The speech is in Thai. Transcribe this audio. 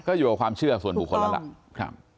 ก็อยู่กับความเชื่อส่วนบุคคลแล้วล่ะ